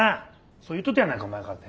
そう言うとったやないかお前かて。